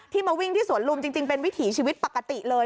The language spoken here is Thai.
มาวิ่งที่สวนลุมจริงเป็นวิถีชีวิตปกติเลย